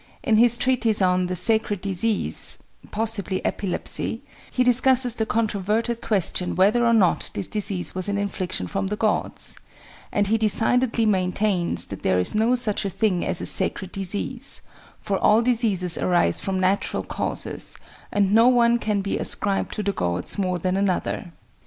In his treatise on "The Sacred Disease" (possibly epilepsy), he discusses the controverted question whether or not this disease was an infliction from the gods; and he decidedly maintains that there is no such a thing as a sacred disease, for all diseases arise from natural causes, and no one can be ascribed to the gods more than another.